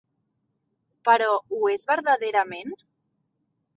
Però ho és verdaderament?